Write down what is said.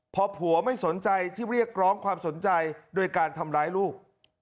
พอผัวไม่สนใจที่เรียกร้องความสนใจโดยการทำร้ายลูก